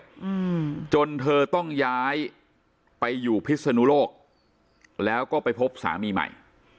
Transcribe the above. อืมจนเธอต้องย้ายไปอยู่พิศนุโลกแล้วก็ไปพบสามีใหม่